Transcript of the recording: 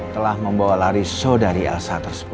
telah membawa lari saudari elsa tersebut